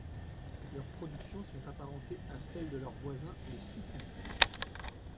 Leurs productions sont apparentées à celles de leur voisins, les Suku.